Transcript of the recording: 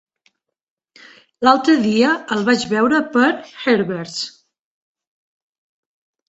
L'altre dia el vaig veure per Herbers.